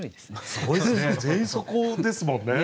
全員そこですもんね。